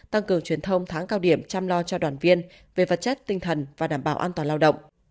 tăng cường truyền thông tháng cao điểm chăm lo cho đoàn viên về vật chất tinh thần và đảm bảo an toàn lao động